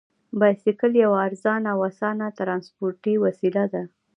بایسکل یوه ارزانه او اسانه ترانسپورتي وسیله ده.